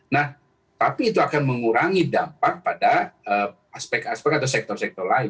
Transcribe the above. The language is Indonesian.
nah tapi itu akan mengurangi dampak pada aspek aspek atau sektor sektor lain